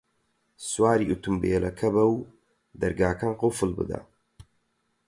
سواری ئۆتۆمبێلەکە بە و دەرگاکان قوفڵ بدە.